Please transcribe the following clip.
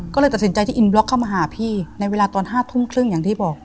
ก็เลยตัดสินใจที่อินบล็อกเข้ามาหาพี่ในเวลาตอน๕ทุ่มครึ่งอย่างที่บอก